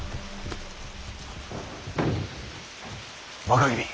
若君。